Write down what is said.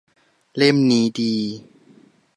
เล่มนี้ดี